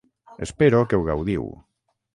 Espero que ho gaudiu.